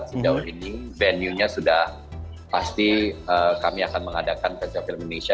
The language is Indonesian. sudah unik venue nya sudah pasti kami akan mengadakan festival film indonesia